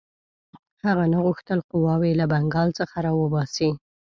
هغه نه غوښتل قواوې له بنګال څخه را وباسي.